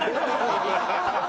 ハハハハ！